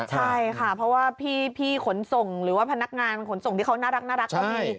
ใช่ค่ะเพราะว่าพี่ขนส่งหรือว่าพนักงานขนส่งที่เขาน่ารักก็มี